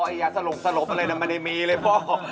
อ๋อไอ้ยาสลบอะไรนั้นมันไม่มีเลยพ่อ